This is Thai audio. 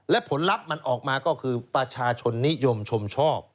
และผลลัพธ์มันออกมาก็คือประชาชนนิยมชมชอบ